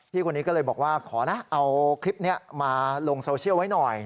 พี่คนนี้ก็เลยบอกว่าขอนะเอาคลิปนี้มาลงโซเชียลไว้หน่อย